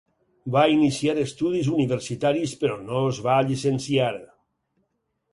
Va iniciar estudis universitaris però no es va llicenciar.